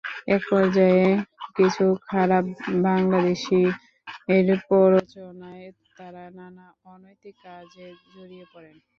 একপর্যায়ে কিছু খারাপ বাংলাদেশির প্ররোচনায় তাঁরা নানা অনৈতিক কাজে জড়িয়ে পড়েন।